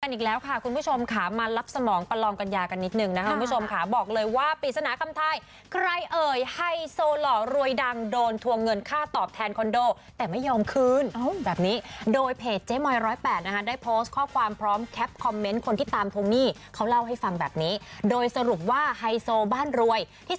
อีกแล้วค่ะคุณผู้ชมค่ะมารับสมองประลองกัญญากันนิดนึงนะคะคุณผู้ชมค่ะบอกเลยว่าปริศนาคำไทยใครเอ่ยไฮโซหล่อรวยดังโดนทวงเงินค่าตอบแทนคอนโดแต่ไม่ยอมคืนแบบนี้โดยเพจเจ๊มอย๑๐๘นะคะได้โพสต์ข้อความพร้อมแคปคอมเมนต์คนที่ตามทวงหนี้เขาเล่าให้ฟังแบบนี้โดยสรุปว่าไฮโซบ้านรวยที่